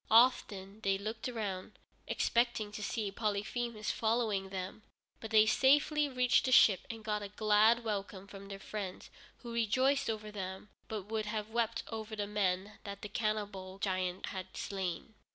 Often they looked round, expecting to see Polyphemus following them, but they safely reached the ship and got a glad welcome from their friends, who rejoiced over them, but would have wept over the men that the cannibal giant had slain.